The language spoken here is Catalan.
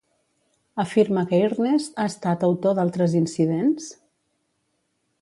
Afirma que Earnest ha estat autor d'altres incidents?